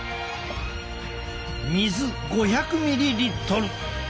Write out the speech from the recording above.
水５００ミリリットル！